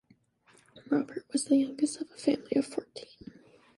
Robert was the youngest of a family of fourteen.